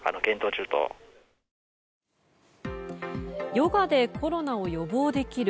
ヨガでコロナを予防できる。